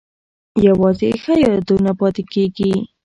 یوازې ښه یادونه پاتې کیږي؟